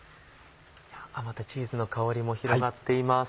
チーズの香りも広がっています。